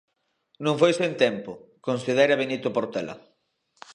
Non foi sen tempo, considera Benito Portela.